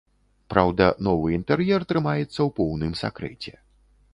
Праўда, новы інтэр'ер трымаецца ў поўным сакрэце.